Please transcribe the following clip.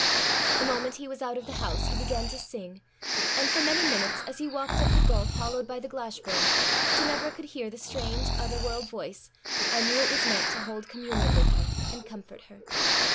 The moment he was out of the house, he began to sing; and for many minutes, as he walked up the gulf hollowed by the Glashburn, Ginevra could hear the strange, other world voice, and knew it was meant to hold communion with her and comfort her.